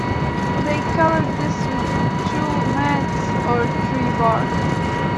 They covered this with tule mats or tree bark.